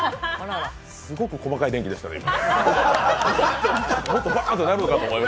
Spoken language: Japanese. すごく細かい電気でしたね、今。